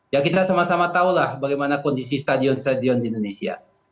ya kita sama sama tahulah bagaimana kondisi stadion stadion di indonesia